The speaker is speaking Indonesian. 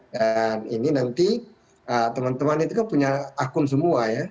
dan ini nanti teman teman itu kan punya akun semua ya